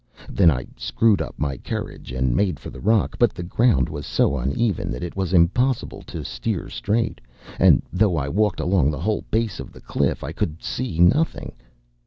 Then I screwed up my courage, and made for the rock; but the ground was so uneven that it was impossible to steer straight; and though I walked along the whole base of the cliff, I could see nothing.